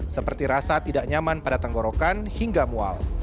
seperti rasa tidak nyaman pada tenggorokan hingga mual